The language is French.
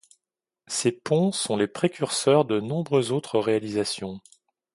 Ces ponts sont les précurseurs de nombreuses autres réalisations.